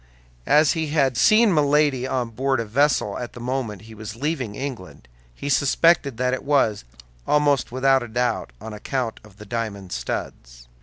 As he had seen Milady on board a vessel at the moment he was leaving England, he suspected that it was, almost without a doubt, on account of the diamond studs.